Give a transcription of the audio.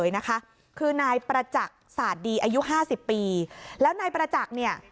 นะคะคือนายประจักษ์ศาสตร์ดีอายุห้าสิบปีแล้วนายประจักษ์เนี่ย